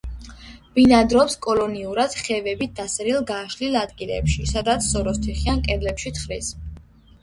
ბინადრობს კოლონიურად ხევებით დასერილ გაშლილ ადგილებში, სადაც სოროს თიხიან კედლებში თხრის.